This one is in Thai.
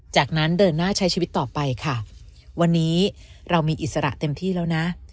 จากนั้นเดินหน้าใช้ชีวิตต่อไปค่ะวันนี้เรามีอิสระเต็มที่แล้วนะ